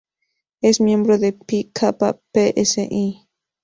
Es miembro de Phi Kappa Psi.